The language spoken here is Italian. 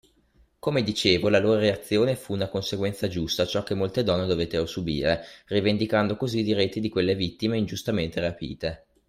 Come dicevo, la loro reazione fu una conseguenza giusta a ciò che molte donne dovettero subire, rivendicando così i diritti di quelle vittime ingiustamente rapite.